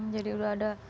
jadi udah ada